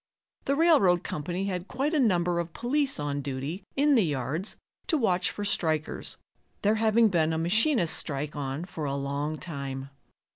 The railroad company had quite a number of police on duty in the yards to watch for strikers, there having been a machinists' strike on for a long time.